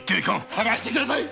離してください！